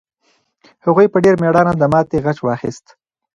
هغوی په ډېر مېړانه د ماتې غچ واخیست.